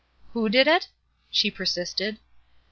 ''Who did it?" she persisted.